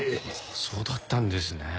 そうだったんですね。